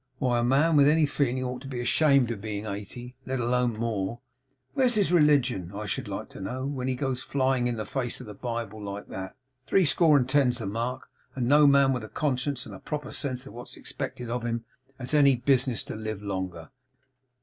Why, a man with any feeling ought to be ashamed of being eighty, let alone more. Where's his religion, I should like to know, when he goes flying in the face of the Bible like that? Threescore and ten's the mark, and no man with a conscience, and a proper sense of what's expected of him, has any business to live longer.